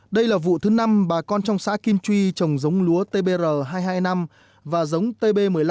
đây là vụ thứ năm bà con trong xã kim truy trồng giống lúa tbr hai mươi hai e năm và giống tb một mươi năm